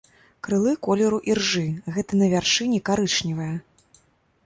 Крылы колеру іржы, гэта на вяршыні карычневае.